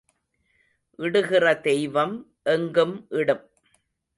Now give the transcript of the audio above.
இடுகிற தெய்வம் எங்கும் இடும்.